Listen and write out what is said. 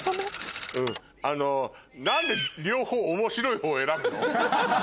あの何で両方面白い方選ぶの？